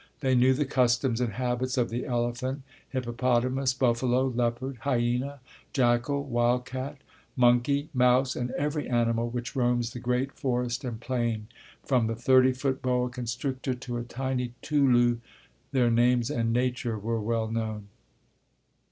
They knew the customs and habits of the elephant, hippopotamus, buffalo, leopard, hyena, jackal, wildcat, monkey, mouse, and every animal which roams the great forest and plain, from the thirty foot boa constrictor to a tiny tulu their names and nature were well known.